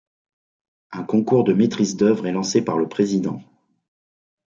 Un concours de maîtrise d'œuvre est lancé par le président.